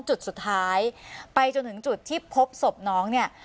จุดสุดท้ายไปจนถึงจุดที่พบศพน้องเนี่ย